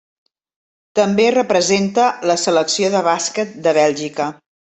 També representa la selecció de bàsquet de Bèlgica.